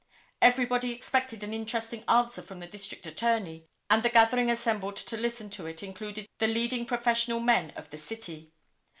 Everybody expected an interesting answer from the District Attorney, and the gathering assembled to listen to it included the leading professional men of the city.